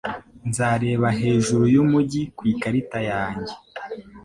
Nzareba hejuru yumujyi ku ikarita yanjye.